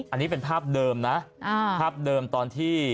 อันนี้เป็นภาพเดิมนะภาพเดิมตอนที่